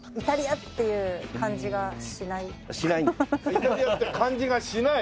イタリアって感じがしない？